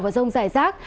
và rông dài rác